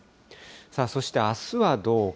さあ、そしてあすはどうか。